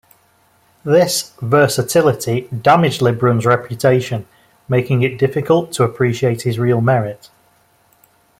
This "versatility" damaged Lebrun's reputation, making it difficult to appreciate his real merit.